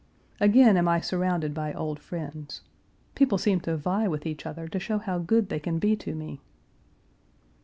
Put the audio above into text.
Again am I surrounded by old friends. People seem to vie with each other to show how good they can be to me.